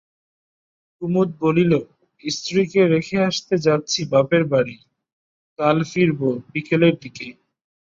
কুমুদ বলিল, স্ত্রীকে রেখে আসতে যাচ্ছি বাপের বাড়ি, কাল ফিরব বিকেলের দিকে।